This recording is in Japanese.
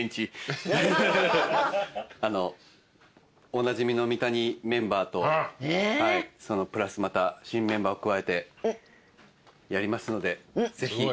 おなじみの三谷メンバーとそのプラスまた新メンバーを加えてやりますのでぜひ。